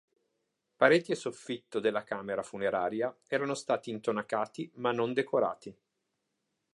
Pareti e soffitto della camera funeraria erano stati intonacati ma non decorati.